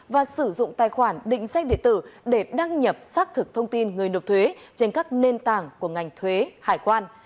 và sử dụng tài khoản định sách địa tử để đăng nhập xác thực thông tin người nộp thuế trên các nền tảng của ngành thuế hải quan